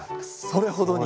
それほどに！